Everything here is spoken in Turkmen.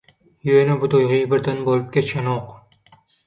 Ýöne bu duýgy birden bolup geçenok.